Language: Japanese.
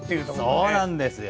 そうなんですよ。